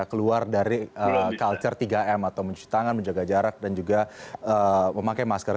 keluar dari culture tiga m atau mencuci tangan menjaga jarak dan juga memakai masker